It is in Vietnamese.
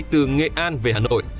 từ nghệ an về hà nội